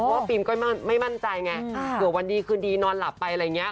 เพราะว่าฟิล์มก็ไม่มั่นใจไงเผื่อวันดีคืนดีนอนหลับไปอะไรอย่างนี้